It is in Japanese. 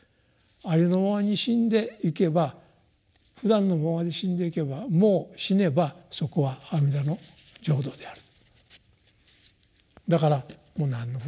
ありのままに死んでいけばふだんのままで死んでいけばもう死ねばそこは阿弥陀の浄土であるだからもう何の不安もないと。